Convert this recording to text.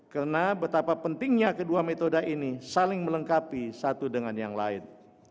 karena betapa pentingnya kedua metode ini saling melengkapi satu dengan yang lain